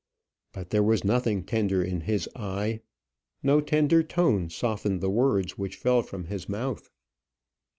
But there was nothing tender in his eye, no tender tone softened the words which fell from his mouth.